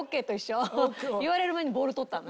言われる前にボール取ったの。